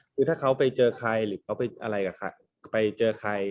คือถ้าเขาไปเจอใครหรือเขาไปเจอใคร